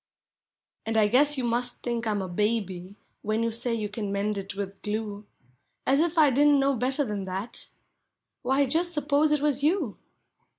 And I guess you must think I 'm a baby, when you say you can mend it with glue: As if I didn't know better than that! Why, just suppose it was you?